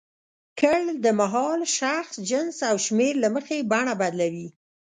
کړ د مهال، شخص، جنس او شمېر له مخې بڼه بدلوي.